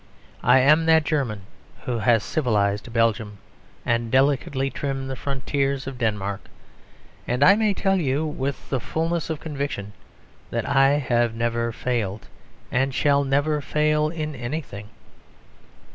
I am that German who has civilised Belgium; and delicately trimmed the frontiers of Denmark. And I may tell you, with the fulness of conviction, that I have never failed, and shall never fail in anything.